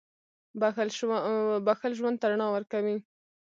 • بښل ژوند ته رڼا ورکوي.